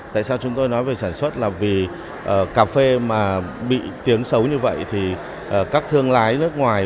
tại sao chúng tôi nói về sản xuất là vì cà phê mà bị tiếng xấu như vậy thì các thương lái nước ngoài